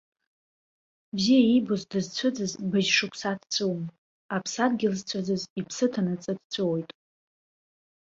Бзиа иибоз дызцәыӡыз быжьшықәса дҵәыуон, аԥсадгьыл зцәыӡыз иԥсы ҭанаҵы дҵәыуоит!